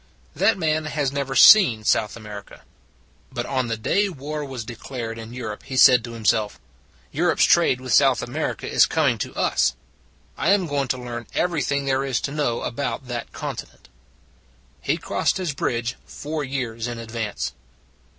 That man has never seen South Amer ica; but on the day war was declared in Europe he said to himself: "Europe s trade with South America is coming to us. I am going to learn everything there is to know about that continent." He crossed his bridge four years in ad vance.